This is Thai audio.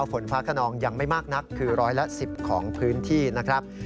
ฝนฟ้าขนองยังไม่มากนักคือร้อยละ๑๐ของพื้นที่นะครับ